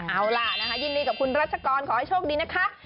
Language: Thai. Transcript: เอาล่ะนะคะยินดีกับคุณรัชกรขอให้โชคดีนะคะ